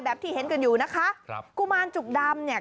แบบที่เห็นกันอยู่นะคะกุมารทองจุกดำ